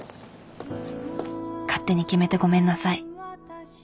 勝手に決めてごめんなさい。